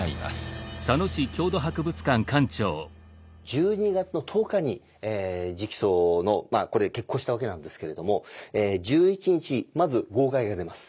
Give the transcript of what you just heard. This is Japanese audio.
１２月の１０日に直訴のこれ決行したわけなんですけれども１１日まず号外が出ます。